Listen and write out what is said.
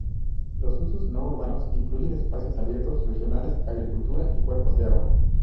Los usos no urbanos incluyen espacios abiertos regionales, agricultura y cuerpos de agua.